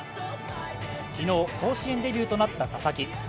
昨日、甲子園デビューとなった佐々木。